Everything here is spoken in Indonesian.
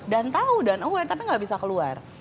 dan tau dan aware tapi gak bisa keluar